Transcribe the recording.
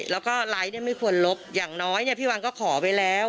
แล้วก็ไลฟ์เนี่ยไม่ควรลบอย่างน้อยพี่วันก็ขอไปแล้ว